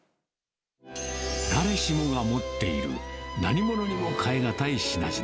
誰しもが持っている何物にも代え難い品々。